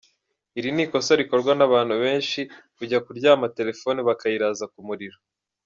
Iri ni ikosa rikorwa n’abantu benshi kujya kuryama telefoni bakayiraza ku muriro.